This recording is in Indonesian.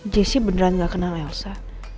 jessy beneran gak kenal elsa